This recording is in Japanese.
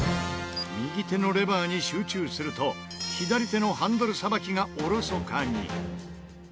右手のレバーに集中すると左手のハンドルさばきがおろそかに。